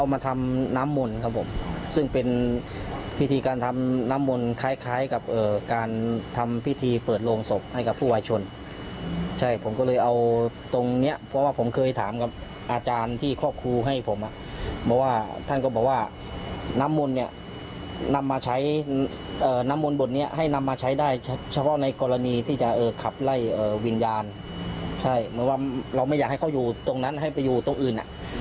มาทำน้ำมนต์ครับผมซึ่งเป็นพิธีการทำน้ำมนต์คล้ายคล้ายกับการทำพิธีเปิดโรงศพให้กับผู้วายชนใช่ผมก็เลยเอาตรงเนี้ยเพราะว่าผมเคยถามกับอาจารย์ที่ครอบครูให้ผมอ่ะบอกว่าท่านก็บอกว่าน้ำมนต์เนี่ยนำมาใช้น้ำมนต์บทนี้ให้นำมาใช้ได้เฉพาะในกรณีที่จะขับไล่วิญญาณใช่เหมือนว่าเราไม่อยากให้เขาอยู่ตรงนั้นให้ไปอยู่ตรงอื่นอ่ะ